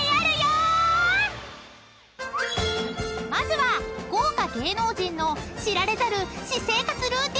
［まずは豪華芸能人の知られざる］